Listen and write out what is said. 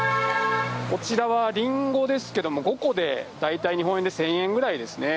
こちらはリンゴですけれども、５個で大体日本円で１０００円ぐらいですね。